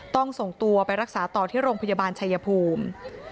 ต้องส่งตัวไปรักษาต่อที่โรงพยาบาลชายภูมิ